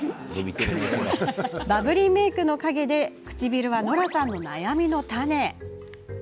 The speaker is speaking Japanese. バブリーメークの陰で唇はノラさんの悩みの種。